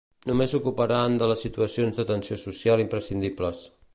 Només s'ocuparan de les situacions d'atenció social imprescindibles.